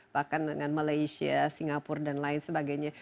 bahkan dengan malaysia singapura dan lain sebagainya